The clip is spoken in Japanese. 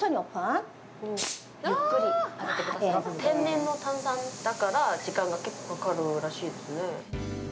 天然の炭酸だから時間が結構かかるらしいですね。